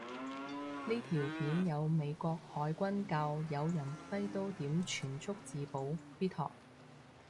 呢條片有美國海軍教有人揮刀點全速自保，必學